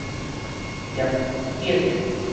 獵犬